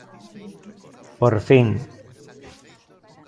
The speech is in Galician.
Por fin!